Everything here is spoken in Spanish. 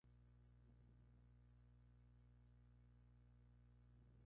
El agua es la humedad natural del ambiente.